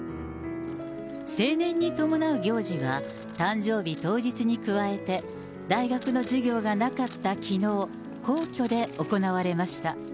成年に伴う行事は誕生日当日に加えて、大学の授業がなかったきのう、皇居で行われました。